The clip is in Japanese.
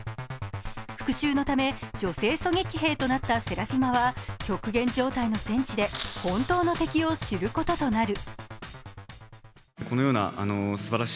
復しゅうのため女性狙撃兵となったセラフィマは極限状態の戦地で本当の敵を知ることとなる。